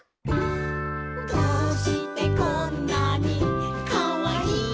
「どうしてこんなにかわいいの」